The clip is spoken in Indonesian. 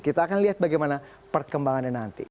kita akan lihat bagaimana perkembangannya nanti